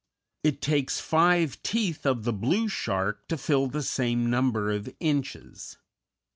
It takes five teeth of the blue shark to fill the same number of inches.